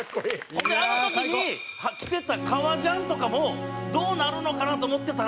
「ほんであの時に着てた革ジャンとかもどうなるのかなと思ってたら」